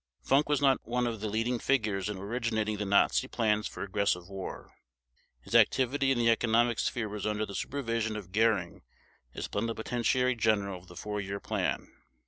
Funk was not one of the leading figures in originating the Nazi plans for aggressive war. His activity in the economic sphere was under the Supervision of Göring as Plenipotentiary General of the Four Year Plan.